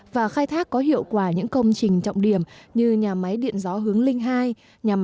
và khai thác có hiệu quả những công trình trọng điểm như nhà máy điện gió hướng linh ii